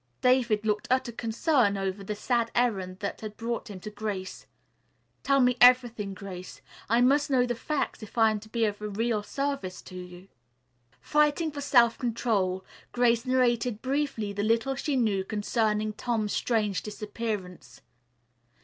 David looked utter concern over the sad errand that had brought him to Grace. "Tell me everything, Grace. I must know the facts if I am to be of real service to you." Fighting for self control, Grace narrated briefly the little she knew concerning Tom's strange disappearance.